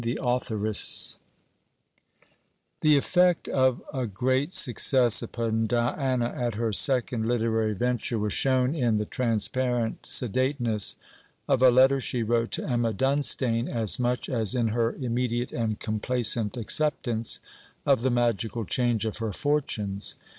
THE AUTHORESS The effect of a great success upon Diana, at her second literary venture, was shown in the transparent sedateness of a letter she wrote to Emma Dunstane, as much as in her immediate and complacent acceptance of the magical change of her fortunes.